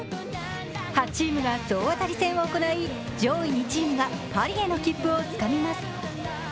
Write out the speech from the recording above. ８チームが総当たり戦を行い、上位２チームがパリへの切符をつかみます。